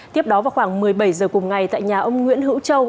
tiếp đó vào khoảng một mươi bảy h cùng ngày tại nhà ông nguyễn hữu châu